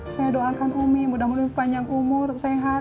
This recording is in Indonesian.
saya doakan umi mudah mudahan panjang umur sehat